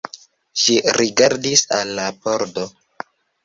Ŝi rigardis al la pordo.